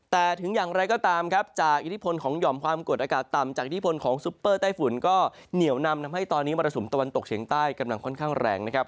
แต่ถึงอย่างไรก็ตามครับจากอิทธิพลของหย่อมความกดอากาศต่ำจากอิทธิพลของซุปเปอร์ใต้ฝุ่นก็เหนียวนำทำให้ตอนนี้มรสุมตะวันตกเฉียงใต้กำลังค่อนข้างแรงนะครับ